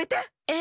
え？